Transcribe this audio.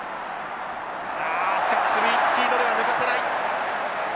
しかしスピードでは抜かせない。